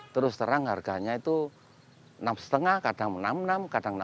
terus terang harganya itu enam lima kadang enam puluh enam kadang enam